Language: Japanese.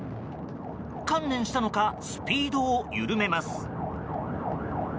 観念したのかスピードを緩めます。